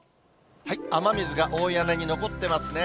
雨水が大屋根に残ってますね。